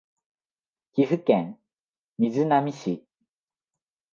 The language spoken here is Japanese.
岐阜県瑞浪市